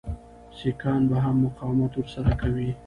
سیکهان به هم مقاومت ورسره کوي.